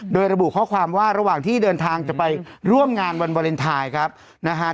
โดยระบุข้อความว่าระหว่างที่เดินทางจะไปร่วมงานวันวาเลนไทยครับนะฮะ